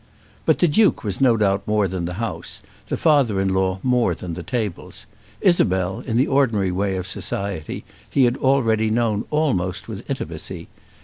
But the Duke was no doubt more than the house, the father in law more than the tables. Isabel, in the ordinary way of society, he had already known almost with intimacy.